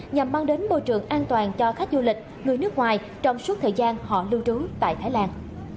nhằm mang đến môi trường an toàn cho khách du lịch người nước ngoài trong suốt thời gian họ lưu trú tại thái lan